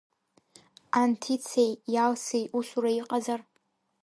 Анҭицеи Иалсеи усура иҟазар?